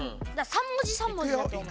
３文字３文字だと思う。